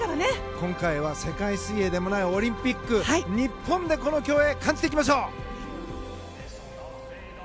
今回は世界水泳でもないオリンピック日本でこの競泳感じていきましょう。